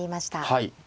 はい。